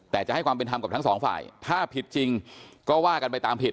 แต่จะให้ความเป็นธรรมกับทั้งสองฝ่ายถ้าผิดจริงก็ว่ากันไปตามผิด